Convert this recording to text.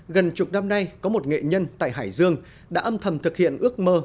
gần chục năm nay có một nghệ nhân tại hải dương đã âm thầm thực hiện ước mơ